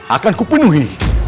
akan ku penuhi